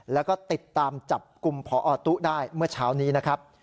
แล้วก็ติดตามจับกลุ่มพอตุ๊ได้เมื่อเช้านี้นะครับ